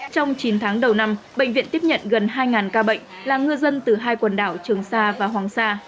trong chín tháng đầu năm bệnh viện tiếp nhận gần hai ca bệnh là ngư dân từ hai quần đảo trường sa và hoàng sa